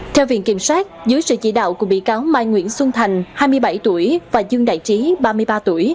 theo viện kiểm soát dưới sự chỉ đạo của bị cáo mai nguyễn xuân thành hai mươi bảy tuổi và dương đại trí ba mươi ba tuổi